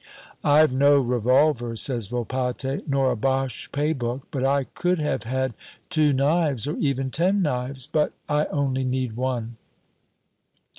"I've no revolver," says Volpatte, "nor a Boche pay book, but I could have had two knives or even ten knives; but I only need one."